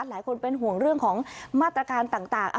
หลายคนเป็นห่วงเรื่องของมาตรการต่าง